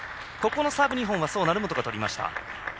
ここのサーブ２本は宋、成本がとりました。